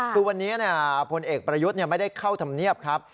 คือวันนี้พลเอกประยุทธ์ไม่ได้เข้าธรรมเนียบครับ